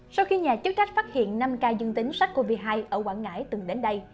sau khi nhà chức trách phát hiện năm ca dương tính sars cov hai ở quảng ngãi từng đến đây